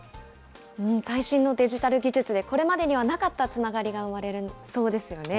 最新のデジタル技術で、これまでにはなかったつながりが生まれそうですよね。